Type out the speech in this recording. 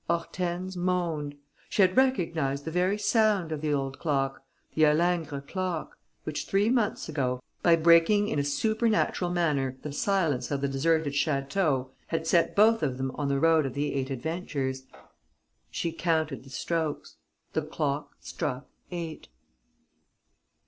Hortense moaned. She had recognized the very sound of the old clock, the Halingre clock, which three months ago, by breaking in a supernatural manner the silence of the deserted château, had set both of them on the road of the eight adventures. She counted the strokes. The clock struck eight.